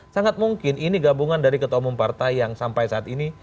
sangat mungkin ini gabungan dari ketua umum partai yang sampai saat ini